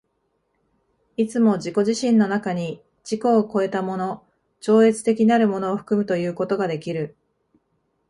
いつも自己自身の中に自己を越えたもの、超越的なるものを含むということができる。